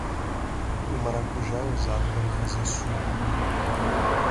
O maracujá é usado para fazer suco.